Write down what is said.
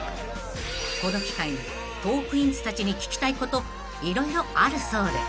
［この機会にトークィーンズたちに聞きたいこと色々あるそうで］